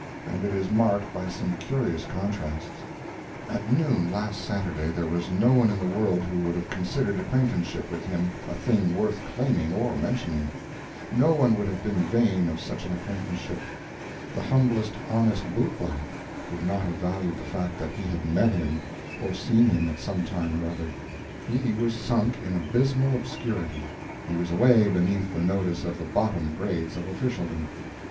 And it is marked by some curious contrasts. At noon last Saturday there was no one in the world who would have considered acquaintanceship with him a thing worth claiming or mentioning; no one would have been vain of such an acquaintanceship; the humblest honest boot black would not have valued the fact that he had met him or seen him at some time or other; he was sunk in abysmal obscurity, he was away beneath the notice of the bottom grades of officialdom.